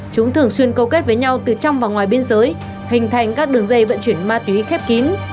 chúng thường xuyên câu kết với nhau từ trong và ngoài biên giới hình thành các đường dây vận chuyển ma túy khép kín